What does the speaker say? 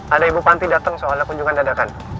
ada ibu panti datang soal kunjungan dadakan